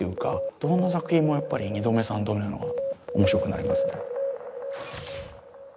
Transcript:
どんな作品もやっぱり二度目三度目の方が面白くなりますね